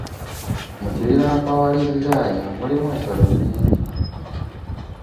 Mu kibira Mpaawaliziraya mulimu ensolo nnyingi.